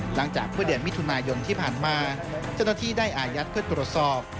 หลังจากเมื่อเดือนมิถุนายนที่ผ่านมาเจ้าหน้าที่ได้อายัดเพื่อตรวจสอบ